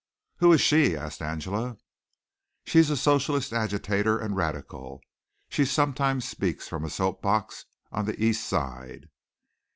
"Who is she?" asked Angela. "She's a socialist agitator and radical. She sometimes speaks from a soap box on the East Side."